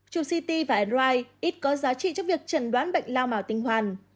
chủ ct và nri ít có giá trị trong việc trận đoán bệnh lao màu tinh hoàn